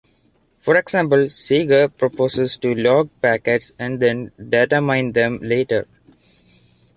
For example, Sager proposes to log packets and then data mine them later.